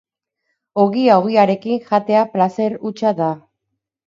Ogia ogiarekin jatea plazer hutsa da.